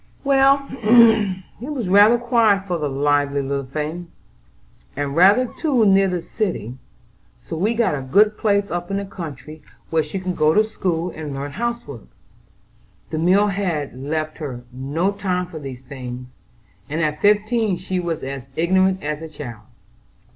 "Well, it was rather quiet for the lively little thing, and rather too near the city, so we got a good place up in the country where she could go to school and learn housework. The mill had left her no time for these things, and at fifteen she was as ignorant as a child."